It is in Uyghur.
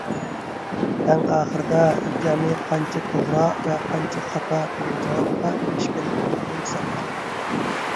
ئەڭ ئاخىرىدا جەمئىي قانچە «توغرا» ۋە قانچە «خاتا» دېگەن جاۋابقا ئېرىشكەنلىكىڭىزنى ھېسابلاڭ.